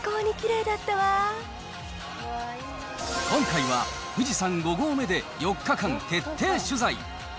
今回は、富士山５合目で４日間徹底取材。